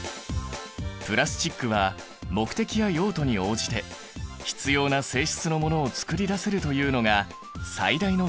プラスチックは目的や用途に応じて必要な性質なものをつくり出せるというのが最大の特徴だ。